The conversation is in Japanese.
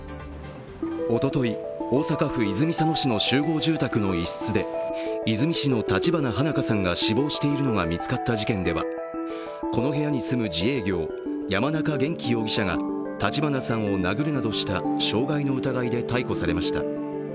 おととい、大阪府泉佐野市の集合住宅の一室で和泉市の立花花華さんが死亡しているのが見つかった事件では、この部屋に住む自営業山中元稀容疑者が立花さんを殴るなどした傷害の疑いで逮捕されました。